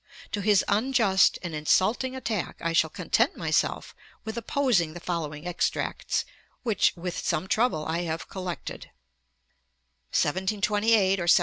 To his unjust and insulting attack I shall content myself with opposing the following extracts which with some trouble I have collected: 1728 or 1729.